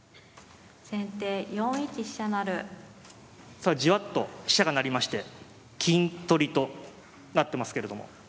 さあじわっと飛車が成りまして金取りとなってますけれども。